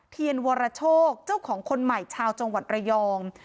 เทียนวรโชคเจ้าของคนใหม่ชาวจังหวัดระยอง